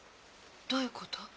どういうこと？